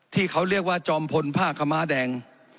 ที่เขาเรียกว่าจอมพลผ้าขม้าแดง